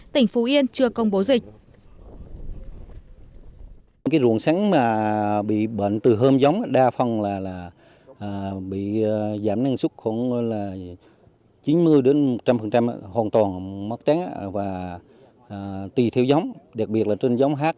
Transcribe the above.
tỉnh phú yên chưa công bố dịch